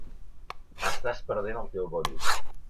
Estàs perdent el teu bon ull.